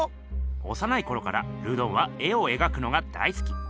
おさないころからルドンは絵を描くのが大好き。